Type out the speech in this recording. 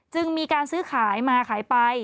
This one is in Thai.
จึงมีการซื้อขายมาขายไป